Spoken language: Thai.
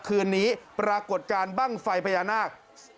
คืนนี้ปรากฏการณ์บ้างไฟพญานาค